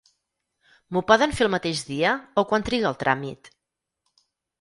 M'ho poden fer el mateix dia o quant triga el tràmit?